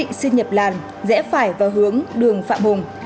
tài xế đang xin nhập làn rẽ phải vào hướng đường phạm hùng